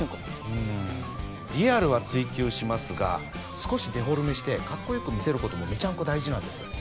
うんリアルは追求しますが少しデフォルメしてカッコよく見せることもメチャンコ大事なんです